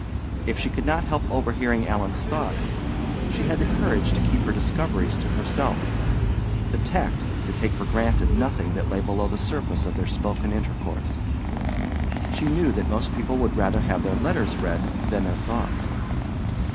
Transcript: If she could not help overhearing Alan's thoughts, she had the courage to keep her discoveries to herself, the tact to take for granted nothing that lay below the surface of their spoken intercourse: she knew that most people would rather have their letters read than their thoughts.